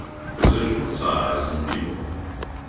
Position, Size, and People. —